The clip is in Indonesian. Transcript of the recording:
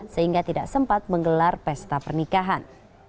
sehingga tidak sempat menggelar pesta pernikahan